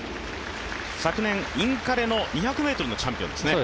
昨年、インカレの２００ｍのチャンピオンですね。